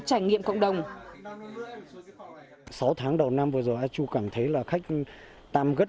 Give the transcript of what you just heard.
động trải nghiệm cộng đồng